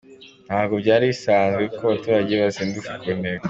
Ntabwo byari bisanzwe ko abaturage bazindukira ku Nteko.